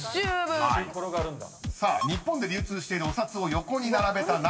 ［さあ日本で流通しているお札を横に並べた長さ］